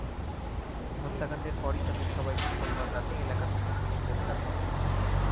হত্যাকাণ্ডের পরই তাঁদের সবাইকে সোমবার রাতেই এলাকা থেকে পুলিশ গ্রেপ্তার করে।